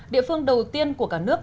địa phương đầu tiên của cả nước